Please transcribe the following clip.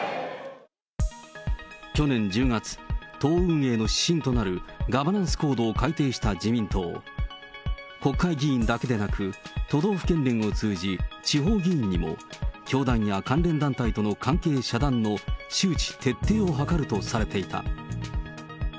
去年１０月、党運営の指針となるガバナンスコードを改定した自民党。国会議員だけでなく、都道府県連を通じ、地方議員にも教団や関連団体との関係遮断の周知・徹底を図るとされていた。